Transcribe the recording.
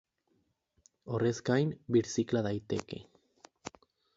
Horrez gain, birzikla daiteke.